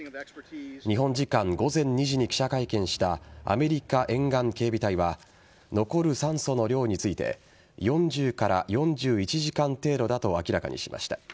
日本時間午前２時に記者会見したアメリカ沿岸警備隊は残る酸素の量について４０４１時間程度だと明らかにしました。